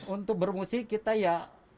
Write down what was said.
untuk bermusi kita ya